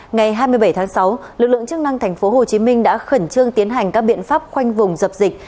ngày hai mươi bảy tháng sáu lực lượng chức năng tp hcm đã khẩn trương tiến hành các biện pháp khoanh vùng dập dịch